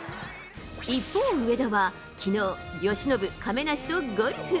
一方、上田はきのう、由伸、亀梨とゴルフ。